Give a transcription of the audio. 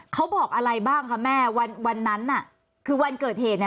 เขาบอกอะไรบ้างคะแม่วันนั้นน่ะคือวันเกิดเหตุเนี่ย